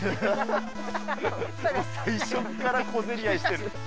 最初から小競り合いしてる。